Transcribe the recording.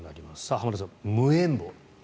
浜田さん、無縁墓。